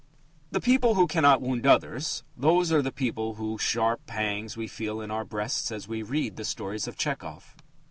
The people who cannot wound others those are the people whose sharp pangs we feel in our breasts as we read the stories of Tchehov.